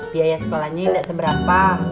biaya sekolahnya gak seberapa